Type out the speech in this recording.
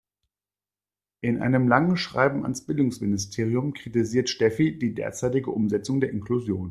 In einem langen Schreiben ans Bildungsministerium kritisiert Steffi die derzeitige Umsetzung der Inklusion.